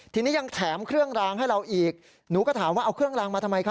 ทีนี้ยังแถมเครื่องรางให้เราอีกหนูก็ถามว่าเอาเครื่องรางมาทำไมคะ